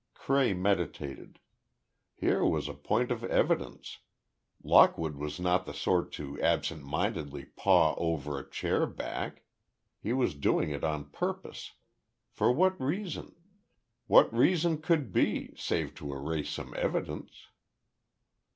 Cray meditated. Here was a point of evidence. Lockwood was not the sort to absent mindedly paw over a chair back. He was doing it on purpose. For what reason? What reason could be, save to erase some evidence?